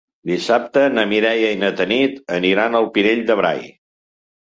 Dissabte na Mireia i na Tanit aniran al Pinell de Brai.